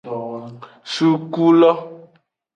Suku lo.